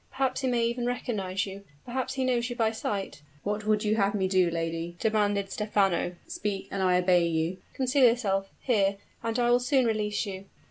Perhaps he may even recognize you perhaps he knows you by sight " "What would you have me do, lady?" demanded Stephano. "Speak, and I obey you." "Conceal yourself here and I will soon release you."